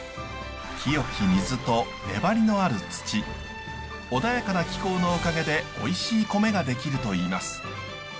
清き水と粘りのある土穏やかな気候のおかげでおいしい米が出来るといいます。